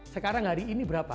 sekarang hari ini berapa